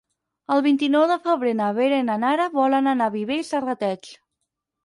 El vint-i-nou de febrer na Vera i na Nara volen anar a Viver i Serrateix.